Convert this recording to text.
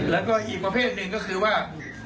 แล้วก็อีกประเภทหนึ่งก็คือว่า